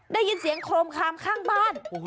ได้ยินเสียงโครมคามข้างบ้าน